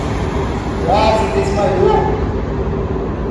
Quase desmaiou